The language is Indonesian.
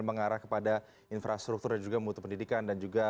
mengarah kepada infrastruktur dan juga